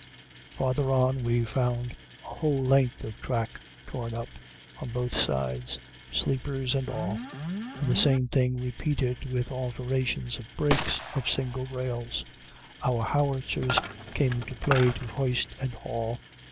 Farther on we found a whole length of track torn up, on both sides, sleepers and all, and the same thing repeated with alternations of breaks of single rails. Our howitzer ropes came into play to hoist and haul.